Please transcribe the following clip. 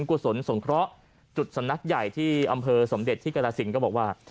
กุศลสงเคราะห์จุดสำนักใหญ่ที่อำเภอสมเด็จที่กรสินก็บอกว่า